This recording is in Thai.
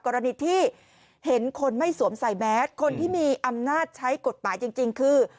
กรณีที่เห็นคนไม่สวมใส่แมสคนที่มีอำนาจใช้กฎหมายจริงคือ